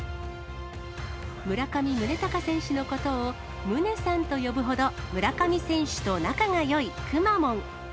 村上宗隆選手のことを、ムネさんと呼ぶほど、村上選手と仲がよいくまモン。